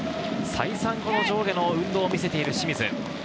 再三、上下の運動を見せている清水。